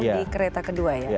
di kereta kedua ya